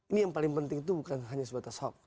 ini yang paling penting itu bukan hanya sebatas hoax